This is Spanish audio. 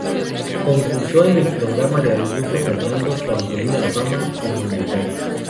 Concursó en el programa de Augusto Ferrando "Trampolín a la fama" como invitado.